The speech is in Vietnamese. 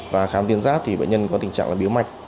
và khám tuyến giáp thì bệnh nhân có tình trạng là biếu mạch